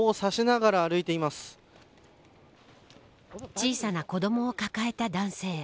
小さな子どもを抱えた男性。